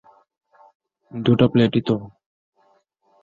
দুটা প্লেটই তো!